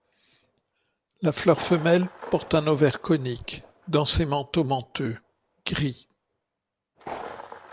La fleur femelle porte un ovaire conique, densément tomenteux, gris.